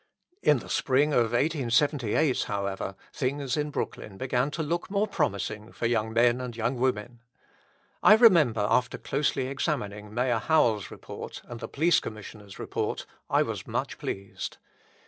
In the spring of 1878, however, things in Brooklyn began to look more promising for young men and young women. I remember after closely examining Mayor Howell's report and the Police Commissioner's report I was much pleased.